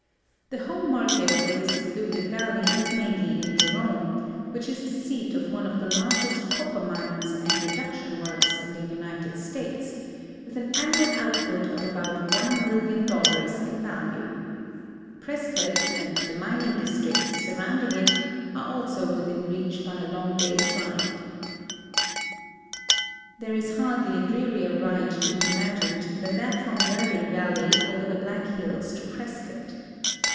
The home market for this secluded valley is mainly in Jerome, which is the seat of one of the largest co])per mines and reduction works in the United States, with an annual output of about one million dollars in value. Prescott and the mining districts surrounding it are also within reach b}^ a long da3''s ride. There is hardly a drearier ride to be imagined than that from Verde valley over the Black Hills to Prescott.